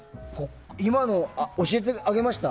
今の教えてあげました？